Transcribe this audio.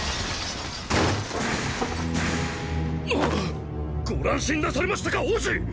なっ！ご乱心なされましたか王子！